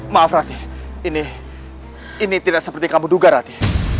maaf rati ini tidak seperti yang kamu duga rati